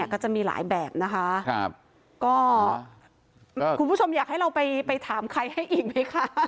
ก็จะมีหลายแบบนะคะก็คุณผู้ชมอยากให้เราไปถามใครให้อีกไหมคะ